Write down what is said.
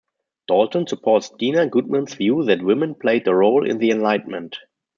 Dalton supports Dena Goodman's view that women played a role in the Enlightenment.